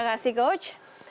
terima kasih coach